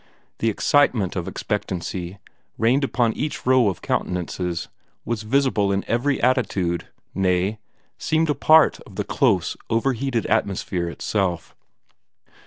The excitement of expectancy reigned upon each row of countenances, was visible in every attitude nay, seemed a part of the close, overheated atmosphere itself.